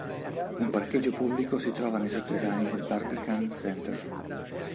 Un parcheggio pubblico si trova nei sotterranei del Barbican Centre.